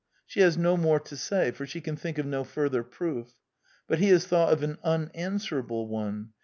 She has no more to say; for she can think of no further proof. But he has thought of an unanswerable one.